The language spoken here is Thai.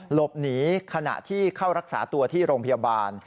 หลบหนีขณะที่เข้ารักษาตัวที่โรงพยาบาล